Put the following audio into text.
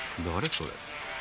それ。